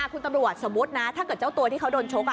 คุณตำรวจสมมุตินะถ้าเกิดเจ้าตัวที่เขาโดนชก